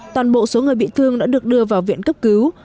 toàn bộ số người bị thương đã được đưa vào viện cấp cứu